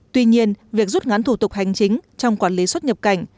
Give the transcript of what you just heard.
tuy nhiên việc rút ngắn thủ tục hành chính trong quản lý xuất nhập cảnh